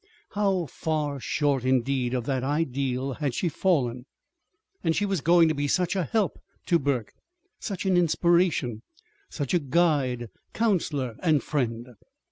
How far short, indeed, of that ideal had she fallen! And she was going to be such a help to Burke; such an inspiration; such a guide, counselor, and friend!